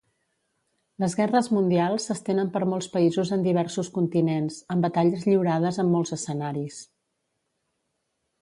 Les guerres mundials s'estenen per molts països en diversos continents, amb batalles lliurades en molts escenaris.